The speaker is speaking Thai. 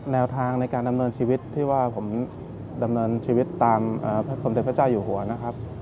แนวทางในการดำเนินชีวิตที่ว่าผมดำเนินชีวิตตามพระสมเด็จพระเจ้าอยู่หัวนะครับ